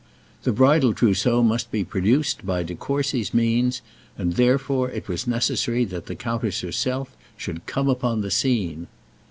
The bridal trousseau must be produced by De Courcy's means, and, therefore, it was necessary that the countess herself should come upon the scene.